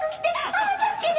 ああ助けて！